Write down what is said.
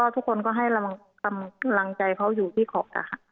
ทุกคนก็ให้สำหรับแหลงใจเค้าอยู่ที่ขอบกันค่ะ